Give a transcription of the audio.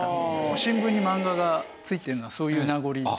新聞に漫画がついてるのはそういう名残で。